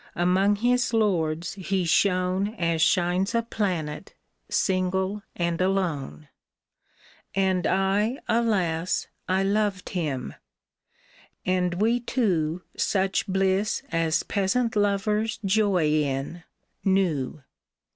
Among his lords he shone As shines a planet, single and alone ; And I, alas ! I loved him, and we two Such bliss as peasant lovers joy in, knew